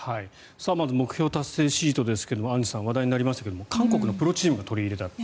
まず目標達成シートですがアンジュさん話題になりましたが韓国のプロチームが取り入れたと。